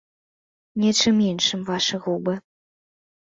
Нечым іншым вашы губы!